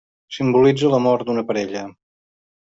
Simbolitza l'amor d'una parella.